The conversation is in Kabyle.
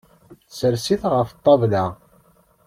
Sers-it ɣef ṭṭabla.